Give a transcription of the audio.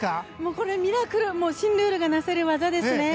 これ、ミラクル新ルールがなせる業ですね。